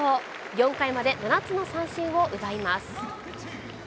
４回まで７つの三振を奪います。